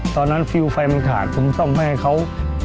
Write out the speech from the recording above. ตอนนั้นฟิลไฟมันขาดผมซ่อมให้เขา